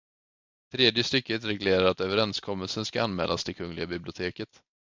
Tredje stycket reglerar att överenskommelsen ska anmälas till Kungliga biblioteket.